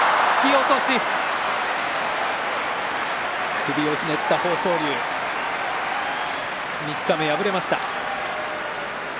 首をひねった豊昇龍三日目、敗れました。